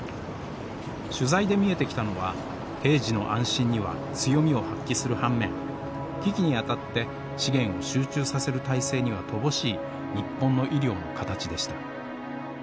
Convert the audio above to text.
取材で見えてきたのは平時の安心には強みを発揮する半面危機にあたって資源を集中させる態勢には乏しい日本の医療の形でした。